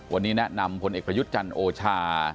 วันนี้แนะนำพลเอกประยุทธ์จันทร์โอชา